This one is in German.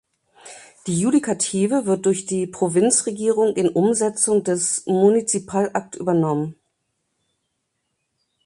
Die Judikative wird durch die Provinzregierung in Umsetzung des Municipal Act übernommen.